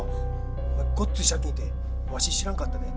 お前ごっつい借金ってわし知らんかったで。